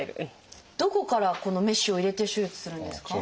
どこからこのメッシュを入れて手術するんですか？